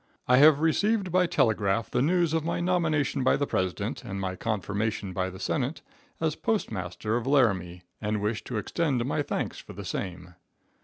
I have received by telegraph the news of my nomination by the President and my confirmation by the Senate, as postmaster at Laramie, and wish, to extend my thanks for the same.